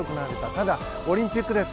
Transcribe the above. ただ、オリンピックです。